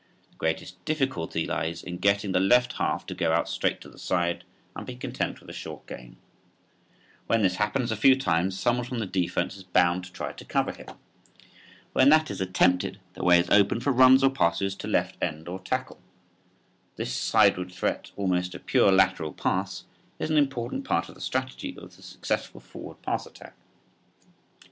The greatest difficulty lies in getting the left half to go out straight to the side and be content with a short gain. When this happens a few times someone from the defense is bound to try to cover him. When that is attempted the way is open for runs or passes to left end or tackle. This sideward threat, almost a pure lateral pass, is an important part of the strategy of the successful forward pass attack.